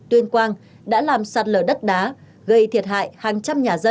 tuyên quang đã làm sạt lở đất đá gây thiệt hại hàng trăm nhà dân